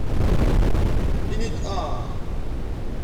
Ini-d ahhh.